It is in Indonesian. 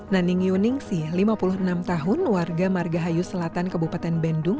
naning yuningsi lima puluh enam tahun warga margahayu selatan kebupaten bendung